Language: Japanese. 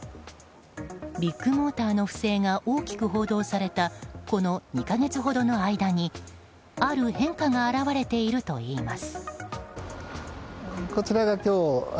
ビッグモーターの不正が大きく報道されたこの２か月ほどの間にある変化が現れているといいます。